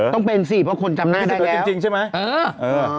ต้องเป็นสิเพราะคนจำหน้าได้แล้วต้องเป็นสิเพราะคนจำหน้าได้แล้ว